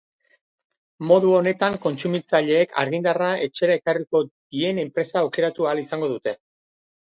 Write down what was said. Modu honetan kontsumitzaileek argindarra etxera ekarriko dien enpresa aukeratu ahal izango dute.